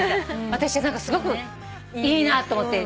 私は何かすごくいいなと思って。